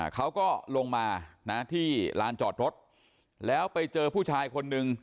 เขาก็ลงมานะที่ลานจอดรถแล้วไปเจอผู้ชายคนนึง